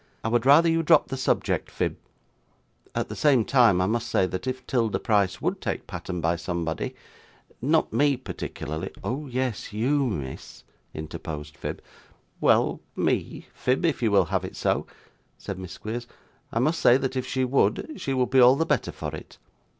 I would rather you dropped the subject, Phib; at the same time, I must say, that if 'Tilda Price would take pattern by somebody not me particularly ' 'Oh yes; you, miss,' interposed Phib. 'Well, me, Phib, if you will have it so,' said Miss Squeers. 'I must say, that if she would, she would be all the better for it.